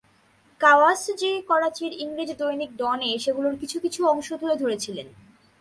কাওয়াসজি করাচির ইংরেজি দৈনিক ডন-এ সেগুলোর কিছু কিছু অংশ তুলে ধরেছিলেন।